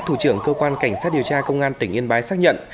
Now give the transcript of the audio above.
thủ trưởng cơ quan cảnh sát điều tra công an tỉnh yên bái xác nhận